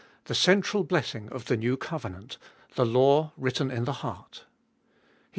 THE CENTRAL BLESSING OF THE NEW COVENANT THE LAW WRITTEN IN THE HEART. VIII.